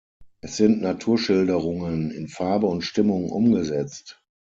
Es sind Naturschilderungen, in Farbe und Stimmung umgesetzt.